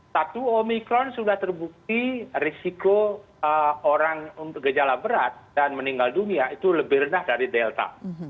satu omikron sudah terbukti risiko orang gejala berat dan meninggal dunia itu lebih rendah dari delta